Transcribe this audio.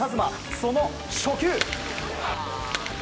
その初球！